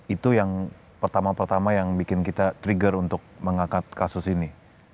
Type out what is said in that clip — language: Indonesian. itu yang pertama pertama yang bikin kita trigger untuk mengangkat kasus ini